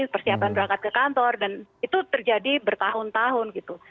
persiapan berangkat ke kantor dan itu terjadi bertahun tahun gitu